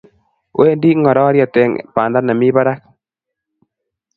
Wendi ngororiet eng banda nemi barak